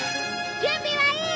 「準備はいい？」